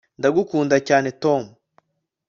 ndagukunda cyane, tom